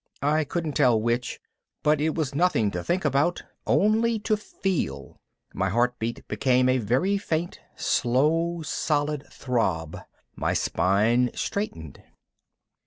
I couldn't tell which, but it was nothing to think about, only to feel. My heartbeat became a very faint, slow, solid throb. My spine straightened.